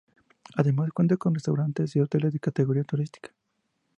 Además, cuenta con restaurantes y hoteles de categoría turística.